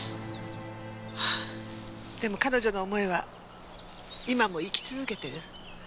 でも彼女の思いは今も生き続けてる。